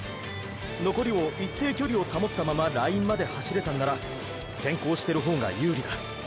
のこりを一定距離を保ったままラインまで走れたんなら先行してる方が有利だ。